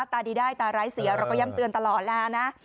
ตาดีได้ตาร้ายเสียเราก็ย่ำเตือนตลอดแล้วนะ